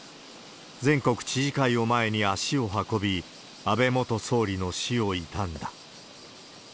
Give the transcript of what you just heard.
全国知事会を前に足を運び、安倍元総理の死を悼んだ。